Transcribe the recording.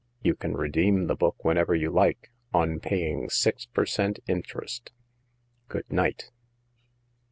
You can redeem thcN book whenever you like, on paying six per cent, interest. Good night."